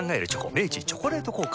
明治「チョコレート効果」